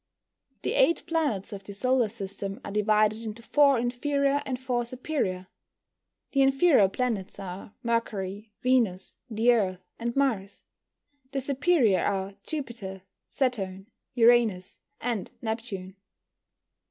The eight planets of the solar system are divided into four inferior and four superior. The inferior planets are Mercury, Venus, the Earth, and Mars. The superior are Jupiter, Saturn, Uranus, and Neptune.